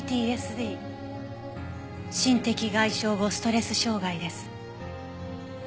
心的外傷後ストレス障害です。